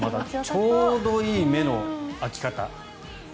ちょうどいい目の開き方。